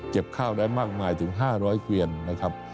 ข้าวได้มากมายถึง๕๐๐เกวียนนะครับ